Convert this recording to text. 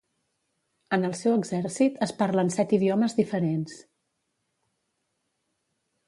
En el seu exèrcit es parlen set idiomes diferents.